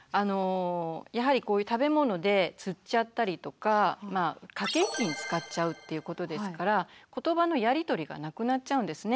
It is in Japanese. やはりこういう食べ物でつっちゃったりとかまあ駆け引きに使っちゃうっていうことですからことばのやりとりがなくなっちゃうんですね。